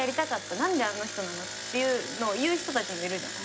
何であの人なの」っていうのを言う人たちもいるじゃん。